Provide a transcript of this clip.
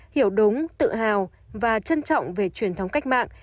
hiểu đúng tự hào và trân trọng về truyền thống cách mạng